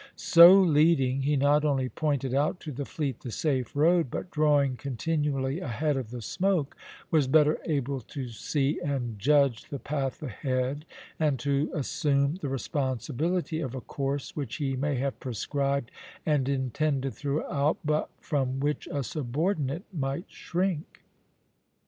So leading, he not only pointed out to the fleet the safe road, but, drawing continually ahead of the smoke, was better able to see and judge the path ahead, and to assume the responsibility of a course which he may have prescribed and intended throughout, but from which a subordinate might shrink.